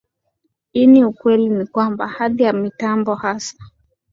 ini ukweli ni kwamba hali ya mitambo hasa